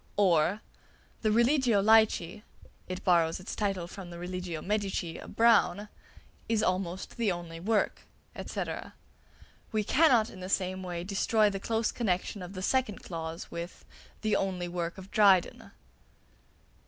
or, "The 'Religio Laici' (it borrows its title from the 'Religio Medici' of Browne) is almost the only work," &c. We cannot in the same way destroy the close connexion of the second clause with "the only work of Dryden."